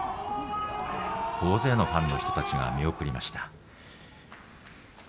大勢のファンの人たちが見送りました。